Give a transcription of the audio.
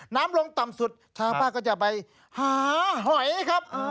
น้ำลงต่ำสุดทางภาคก็จะไปหาหอยครับ